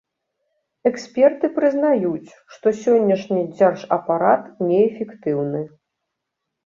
Эксперты прызнаюць, што сённяшні дзяржапарат неэфектыўны.